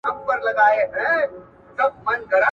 کوټه يې تياره او له رڼا خالي ده.